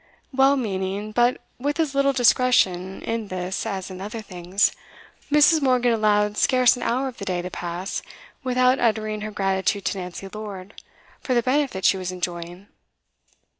Well meaning, but with as little discretion in this as in other things, Mrs. Morgan allowed scarce an hour of the day to pass without uttering her gratitude to Nancy Lord for the benefit she was enjoying.